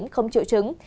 không triệu chứng